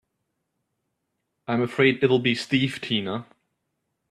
I'm afraid it'll be Steve Tina.